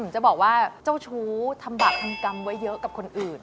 จะบอกว่าเจ้าชู้ทำบาปทำกรรมไว้เยอะกับคนอื่น